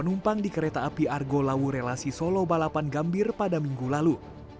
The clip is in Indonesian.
penumpang di kereta api argo lawu relasi solo balapan gambir pada minggu lalu